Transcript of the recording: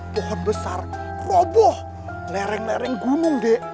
pohon besar keroboh lereng lereng gunung dek